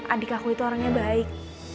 adik aku itu orangnya baik